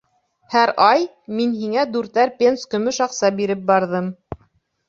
Һәр ай мин һиңә дүртәр пенс көмөш аҡса биреп барҙым.